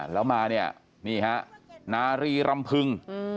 แล้วมานี่นารีรำพึง